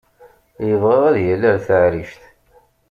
Yebɣa ad yali ar taɛrict.